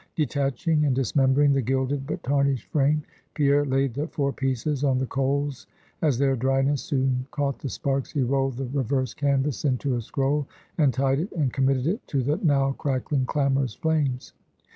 Detaching and dismembering the gilded but tarnished frame, Pierre laid the four pieces on the coals; as their dryness soon caught the sparks, he rolled the reversed canvas into a scroll, and tied it, and committed it to the now crackling, clamorous flames.